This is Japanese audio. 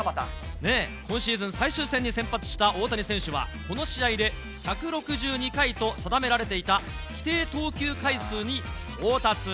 今シーズン最終戦に先発した大谷選手は、この試合で１６２回と定められていた規定投球回数に到達。